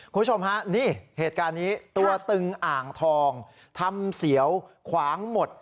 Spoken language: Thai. คุณผู้ชมฮะนี่เหตุการณ์นี้ตัวตึงอ่างทองทำเสียวขวางหมด